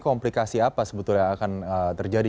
komplikasi apa sebetulnya akan terjadi